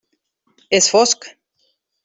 És fosc.